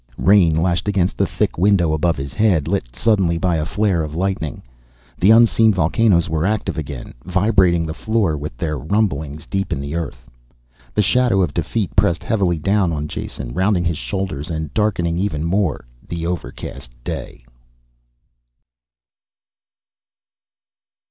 Rain lashed against the thick window above his head, lit suddenly by a flare of lightning. The unseen volcanoes were active again, vibrating the floor with their rumblings deep in the earth. The shadow of defeat pressed heavily down on Jason. Rounding his shoulders and darkening, even more, the overcast day.